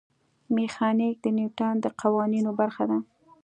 میخانیک د نیوټن د قوانینو برخه ده.